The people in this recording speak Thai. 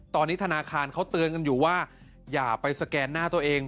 ตอนนี้ธนาคารเขาเตือนกันอยู่ว่าอย่าไปสแกนหน้าตัวเอง